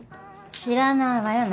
知らないわよ